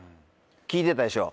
聴いてたでしょ？